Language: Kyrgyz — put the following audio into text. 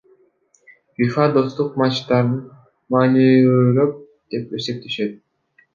ФИФА достук матчтарын маанилүүрөөк деп эсептешет.